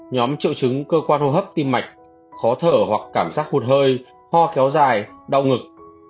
nhóm triệu chứng cơ quan hô hấp tim mạch khó thở hoặc cảm giác hụt hơi ho kéo dài đau ngực